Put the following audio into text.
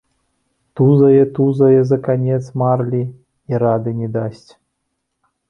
Тузае, тузае за канец марлі і рады не дасць.